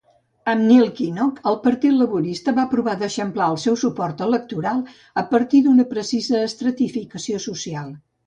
Amb Neil Kinnock, el partit laborista va provar d'eixamplar el seu suport electoral a partir d'una precisa estratificació social.